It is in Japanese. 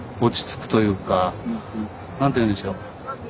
何て言うんでしょう。